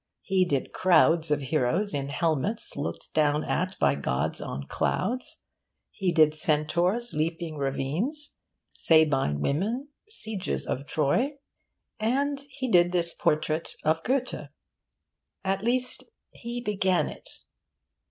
He did crowds of heroes in helmets looked down at by gods on clouds; he did centaurs leaping ravines; Sabine women; sieges of Troy. And he did this portrait of Goethe. At least he began it.